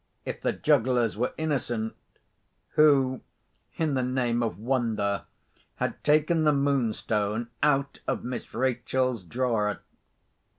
If the jugglers were innocent, who, in the name of wonder, had taken the Moonstone out of Miss Rachel's drawer?